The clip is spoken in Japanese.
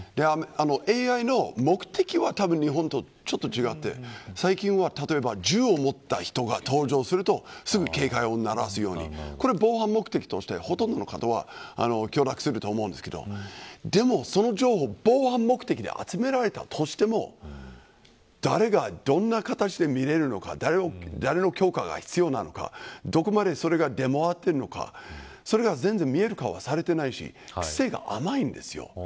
ＡＩの目的はたぶん日本とちょっと違って最近は例えば銃を持った人が登場するとすぐ警戒音を鳴らすようにこれは、防犯目的としてほとんど方は許諾すると思うんですけど防犯目的で集められたとしても誰がどんな形で見れるのか誰の許可が必要なのか、どこまでそれが出回っているのかそれが全然見える化はされていないし甘いんですよ。